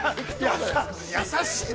優しい。